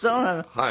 はい。